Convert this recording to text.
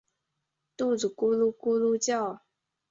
肚子咕噜咕噜叫